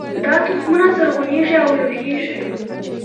دا تخمونه زرغونیږي او لوییږي